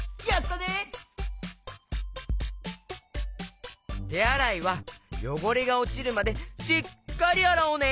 てあらいはよごれがおちるまでしっかりあらおうね！